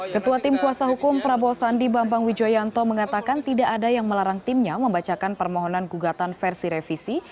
ketua tim kuasa hukum prabowo sandi bambang wijoyanto mengatakan tidak ada yang melarang timnya membacakan permohonan gugatan versi revisi